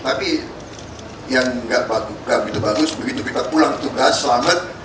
tapi yang tidak begitu bagus begitu kita pulang tugas selamat